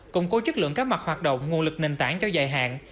củng cố chất lượng các mặt hoạt động nguồn lực nền tảng cho dài hạn